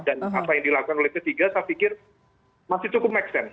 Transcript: apa yang dilakukan oleh p tiga saya pikir masih cukup make sense